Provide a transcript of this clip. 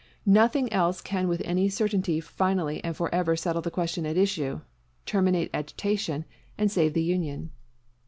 Nothing else can with any certainty finally and forever settle the questions at issue, terminate agitation, and save the Union.